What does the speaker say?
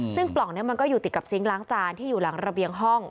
ซึ่งปล่องนี้มันก็อยู่ติดกับซิงค์ล้างจานที่อยู่หลังระเบียงห้อง